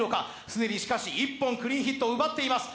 既にしかし１本、クリーンヒットを奪っています。